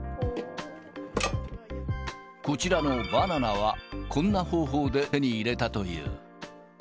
こちらのバナナは、こんな方法で手に入れたという。